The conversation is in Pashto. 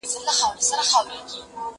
د پېړیو پېګويي به یې کوله